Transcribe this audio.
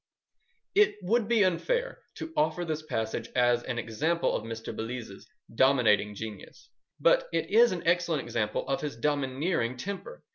It would be unfair to offer this passage as an example of Mr. Belize's dominating genius, but it is an excellent example of his domineering temper.